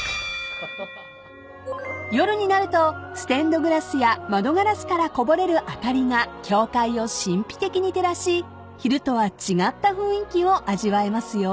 ［夜になるとステンドグラスや窓ガラスからこぼれる明かりが教会を神秘的に照らし昼とは違った雰囲気を味わえますよ］